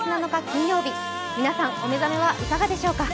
金曜日、皆さん、お目覚めはいかがでしょうか？